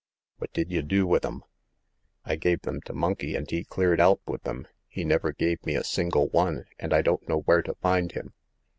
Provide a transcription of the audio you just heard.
" What did y' do with 'em ?"I gave them to Monkey, and he cleared out with them. He never gave me a single one ; and I don't know where to find him."